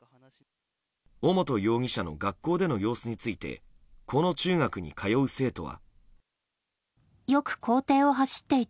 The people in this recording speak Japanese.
尾本容疑者の学校での様子についてこの中学に通う生徒は。